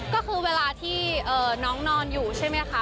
ก็คือเวลาที่น้องนอนอยู่ใช่ไหมคะ